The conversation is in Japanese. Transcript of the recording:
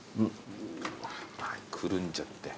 くるんじゃって。